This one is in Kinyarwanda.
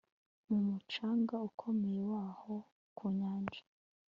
Mu mucanga ukomeye waho ku nyanja